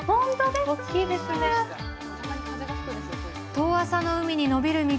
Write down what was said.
遠浅の海にのびる道。